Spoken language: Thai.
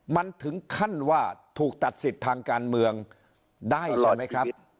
มันถึงขั้นว่าถูกตัดสิทธิ์ทางการเมืองได้ใช่ไหมครับ